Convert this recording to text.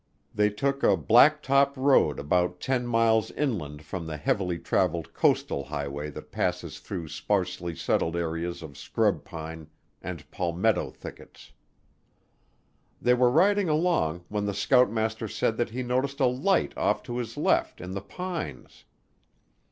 They took a black top road about 10 miles inland from the heavily traveled coastal highway that passes through sparsely settled areas of scrub pine and palmetto thickets. They were riding along when the scoutmaster said that he noticed a light off to his left in the pines.